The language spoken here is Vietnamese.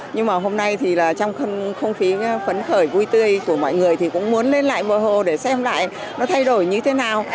nhưng mà hôm nay thì là trong không khí phấn khởi vui tươi của mọi người thì cũng muốn lên lại mọi hồ để xem lại nó thay đổi như thế nào